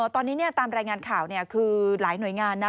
ตอนนี้ตามรายงานข่าวคือหลายหน่วยงานนะ